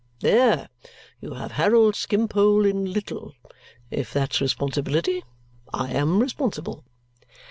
There you have Harold Skimpole in little. If that's responsibility, I am responsible."